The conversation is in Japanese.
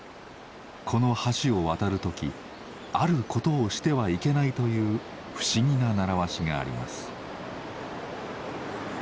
この橋を渡る時あることをしてはいけないという不思議な習わしがあります。